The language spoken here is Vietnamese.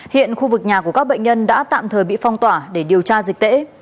hiện khu vực nhà của các bệnh nhân đã tạm thời bị phong tỏa để điều tra dịch tễ